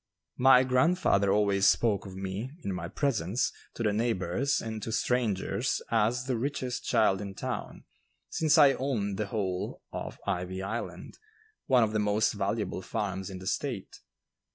My grandfather always spoke of me (in my presence) to the neighbors and to strangers as the richest child in town, since I owned the whole of "Ivy Island," one of the most valuable farms in the State.